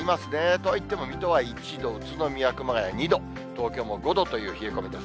とはいっても水戸は１度、宇都宮、熊谷２度、東京も５度という冷え込みです。